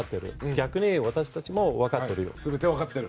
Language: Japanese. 逆に私たちも分かってる。